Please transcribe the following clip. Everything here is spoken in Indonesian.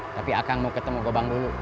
tapi akan mau ketemu gopang dulu